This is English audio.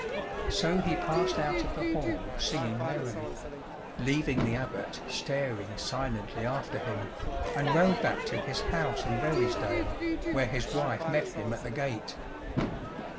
So he passed out of the hall singing merrily, leaving the Abbot staring silently after him, and rode back to his house in Verisdale, where his wife met him at the gate.